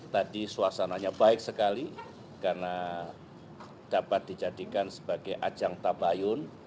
tadi suasananya baik sekali karena dapat dijadikan sebagai ajang tabayun